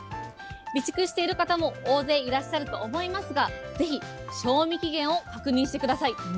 備蓄している方も大勢いらっしゃると思いますが、ぜひ賞味期限を確認してください。